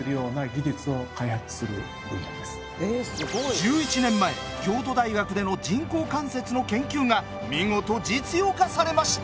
１１年前京都大学での人工関節の研究が見事実用化されました。